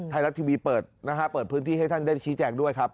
ทายลักษณ์ทีวีเปิดเปิดพื้นที่ให้ท่านได้ชี้แจงด้วยครับ